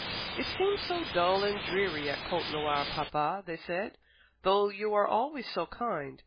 "It seems so dull and dreary at Côtenoir, papa," they said, "though you are always so kind.